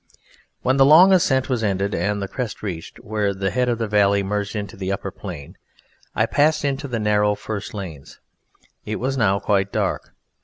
When the long ascent was ended and the crest reached, where the head of the valley merged into the upper plain, I passed into the narrow first lanes. It was now quite dark.